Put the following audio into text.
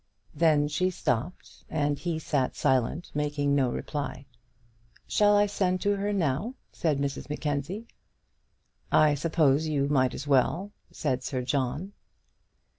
Then she stopped, and he sat silent, making no reply. "Shall I send to her now?" said Mrs Mackenzie. "I suppose you might as well," said Sir John.